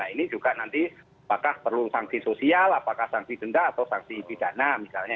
ini juga nanti apakah perlu sanksi sosial apakah sanksi denda atau sanksi pidana misalnya